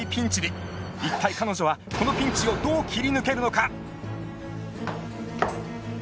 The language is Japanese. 一体彼女はこのピンチをどう切り抜けるのか！